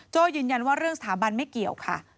ยืนยันว่าเรื่องสถาบันไม่เกี่ยวค่ะ